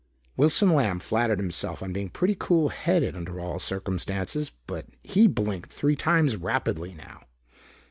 Wilson Lamb flattered himself on being pretty cool headed under all circumstances. But he blinked three times rapidly now.